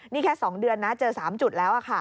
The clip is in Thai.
นี่แค่๒เดือนนะเจอ๓จุดแล้ว